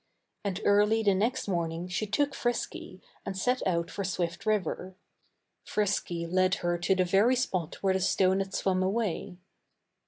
And early the next morning she took Frisky and set out for Swift River. Frisky led her to the very spot where the stone had swum away.